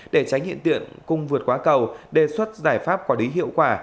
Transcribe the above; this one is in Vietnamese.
để tránh hiện tiện cung vượt quá cầu đề xuất giải pháp quả lý hiệu quả